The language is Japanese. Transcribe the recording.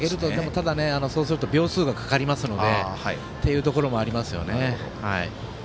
ただ、そうすると秒数がかかりますのでっていうところもありますね。